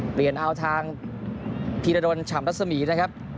เปลี่ยนเอาทางธีรดลฉ่ำรัศมีนะครับ